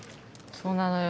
そうなのよ。